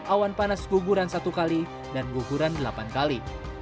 awan panas guguran satu kali dan guguran delapan kali